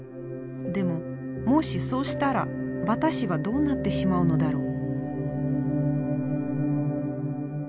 でももしそうしたら私はどうなってしまうのだろう。